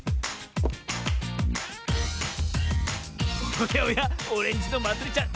おやおやオレンジのまつりちゃん